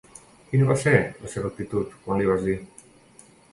Quina va ser la seva actitud quan li vas dir?